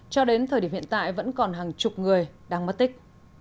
cho đến thời điểm hiện tại vẫn còn hàng chục người đang mất tích